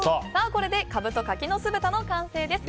これでカブと柿の酢豚の完成です。